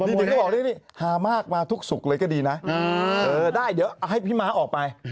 พี่เค้าบอกนี่นี่หามากมาทุกสุกเลยก็ดีนะอ่าเออได้เดี๋ยวให้พี่ม้าออกไป